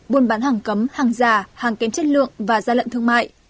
buôn bán hàng cấm hàng giả hàng kém chất lượng và gian lận thương mại